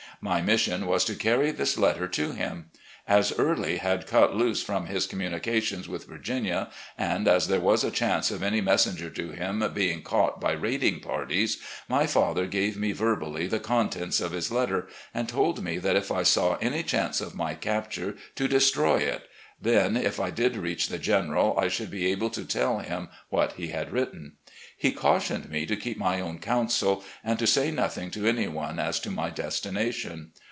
My mission was to carry this letter to him. As Early had cut loose from his com munications with Virginia, and as there was a chance of any messenger to him being caught by raiding parties, my father gave me verbally the contents of his letter, and told me that if I saw any chance of my capture to destroy it, then, if I did reach the General, I should be able to tell him what he had written. He cautioned me to keep my own counsel, and to say nothing to any one as to my destination.